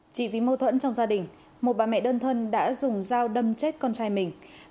chỉ vì mâu thuẫn trong gia đình một bà mẹ đơn thân đã dùng dao đâm chết con trai mình